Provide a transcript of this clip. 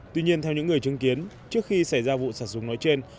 tuy nhiên theo những người chứng kiến trước khi xảy ra vụ sả súng nói trên